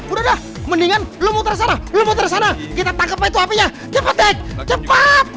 udah dah mendingan lo muter sana lo muter sana kita tangkep api itu apinya cepet dek cepat